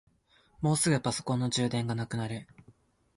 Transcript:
もうすぐパソコンの充電がなくなる。